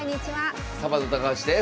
サバンナ高橋です。